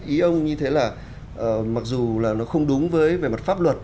ý ông như thế là mặc dù là nó không đúng với về mặt pháp luật